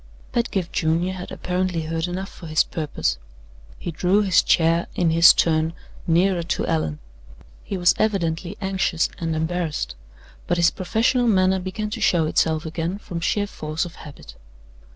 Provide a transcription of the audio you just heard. Pedgift Junior had apparently heard enough for his purpose. He drew his chair, in his turn, nearer to Allan. He was evidently anxious and embarrassed; but his professional manner began to show itself again from sheer force of habit.